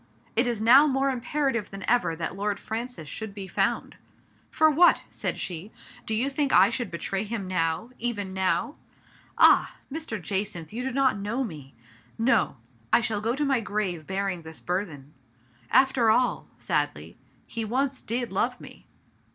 It is now more imperative than ever that Lord Francis should be found. " For what ?" said she. " Do you think I should betray him now — even now? Ah! Mr. Jacynth, you do not know me. No ! I shall go to my grave bearing this burthen. After all" — sadly —" he once did love me